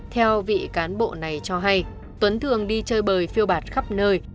theo vị cán bộ này cho hay tuấn thường đi chơi bời phiêu bạc khắp nơi